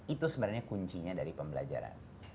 itu sebenarnya kuncinya dari pembelajaran